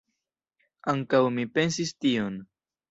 Ankaŭ mi pensis tion.